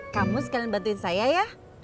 kamu sekalian bantuin saya ya